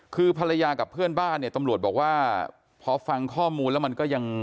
คือภรรยากับเพื่อนบ้านเนี่ยตำรวจบอกว่าพอฟังข้อมูลแล้วมันก็ยัง